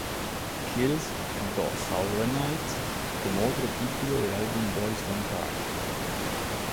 Kills cantó Saturday Night, como otro título del álbum Boy`s Don`t Cry.